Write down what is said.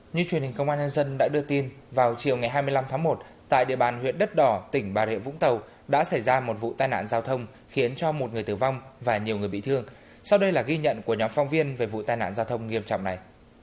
như truyền hình công an nhân dân đã đưa tin vào chiều ngày hai mươi năm tháng một tại địa bàn huyện đất đỏ tỉnh bà rịa vũng tàu đã xảy ra một vụ tai nạn giao thông khiến cho một người tử vong và nhiều người bị thương sau đây là ghi nhận của nhóm phong viên về vụ tai nạn giao thông nghiêm trọng này